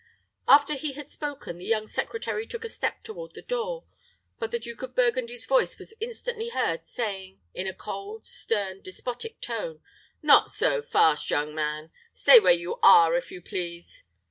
After he had spoken, the young secretary took a step toward the door; but the Duke of Burgundy's voice was instantly heard saying, in a cold, stern, despotic tone, "Not so fast, young man. Stay where you are, if you please."